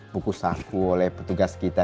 buku saku oleh petugas kita